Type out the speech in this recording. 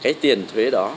cái tiền thuế đó